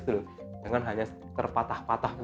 jangan hanya terpatah patah